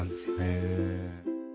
へえ。